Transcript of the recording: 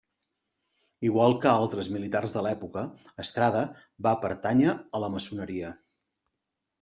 Igual que altres militars de l'època, Estrada va pertànyer a la maçoneria.